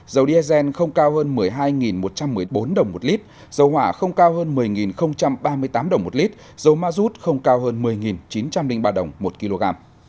dầu diesel không cao hơn một mươi hai một trăm một mươi bốn đồng một lít dầu hỏa không cao hơn một mươi ba mươi tám đồng một lít dầu ma rút không cao hơn một mươi chín trăm linh ba đồng một kg